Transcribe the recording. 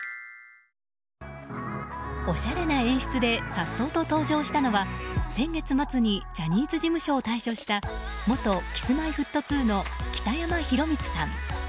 おしゃれな演出でさっそうと登場したのは先月末にジャニーズ事務所を退所した元Ｋｉｓ‐Ｍｙ‐Ｆｔ２の北山宏光さん。